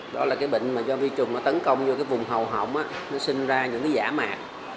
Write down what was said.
đó là bệnh do vi trùng tấn công vùng hầu hộng sinh ra những giả mạc